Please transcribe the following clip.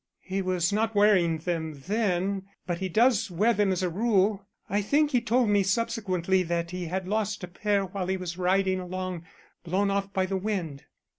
"He was not wearing them then, but he does wear them as a rule. I think he told me subsequently that he had lost a pair while he was riding along blown off by the wind."